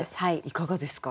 いかがですか？